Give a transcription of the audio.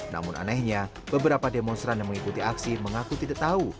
namun anehnya beberapa demonstran yang mengikuti aksi mengaku tidak tahu